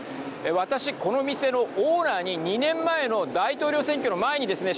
私、この店のオーナーに２年前の大統領選挙の前にですね